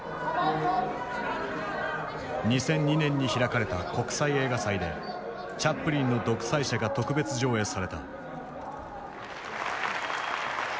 ２００２年に開かれた国際映画祭でチャップリンの「独裁者」が特別上映された。